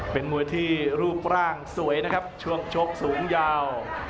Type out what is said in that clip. เป็นมวยที่รูปร่างสวยนะครับช่วงชกสูงยาว